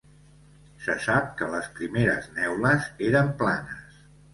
Se sap que les primeres neules eren planes.